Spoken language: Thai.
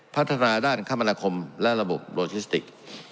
พัฒนาด้านคมนาคมและระบบโลจิสติก